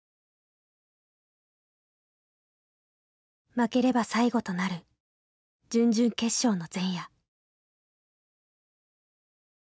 負ければ最後となる準々決勝の前夜。